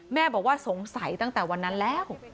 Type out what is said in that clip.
แม่บอกว่าสงสัยตั้งแต่วันนั้นแล้ว